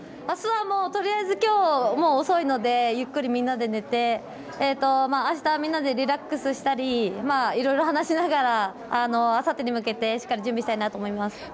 あすは、とりあえずきょう遅いのでゆっくりみんなで寝てあした、リラックスしたりいろいろ話しながらあさってに向けてしっかり準備したいなと思います。